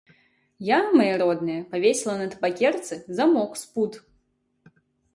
Я, мае родныя, павесіла на табакерцы замок з пуд.